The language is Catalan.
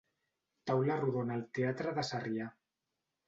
Taula rodona al Teatre de Sarrià.